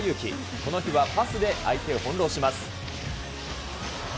この日はパスで相手を翻弄します。